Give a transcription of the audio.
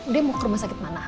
dia mau ke rumah sakit mana